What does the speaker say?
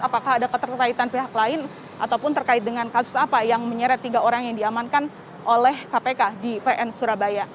apakah ada keterkaitan pihak lain ataupun terkait dengan kasus apa yang menyeret tiga orang yang diamankan oleh kpk di pn surabaya